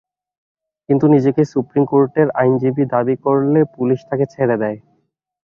কিন্তু নিজেকে সুপ্রিম কোর্টের আইনজীবী দাবি করলে পুলিশ তাঁকে ছেড়ে দেয়।